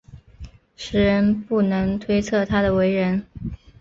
时人不能推测他的为人。